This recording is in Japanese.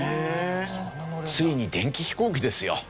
ついに電気飛行機ですよ。